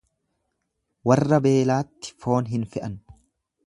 Warra beelaatti foon hin fe'an.